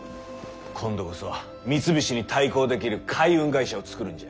今度こそ三菱に対抗できる海運会社を作るんじゃ。